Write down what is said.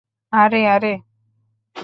আরে, আরে!